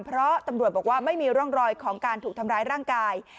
เพราะตำรวจบอกว่าไม่มีร่องรอยของการถูกทำร้ายร่างกาย